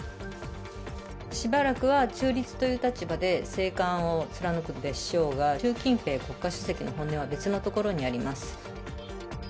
しばらくは中立という立場で静観を貫くでしょうが、習近平国家主席の本音は別のところにあります。